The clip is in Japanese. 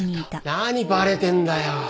何バレてんだよ。